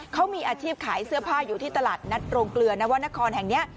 เขามีอาชีพขายเสื้อผ้าอยู่ที่ตลาดนัดโรงเกลือนวรรณครแห่งนี้